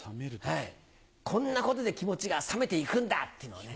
「こんなことで気持ちが冷めていくんだ」っていうのをね